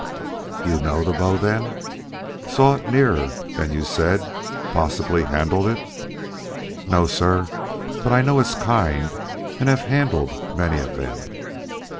"You know the bow, then? Saw it nearer than you said possibly handled it?" "No, sir; but I know its kind and have handled many of them."